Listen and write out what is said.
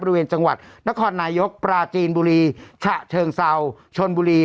บริเวณจังหวัดนครนายกปราจีนบุรีฉะเชิงเซาชนบุรี